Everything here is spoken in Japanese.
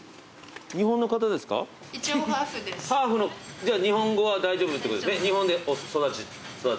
じゃあ日本語は大丈夫ってことですね。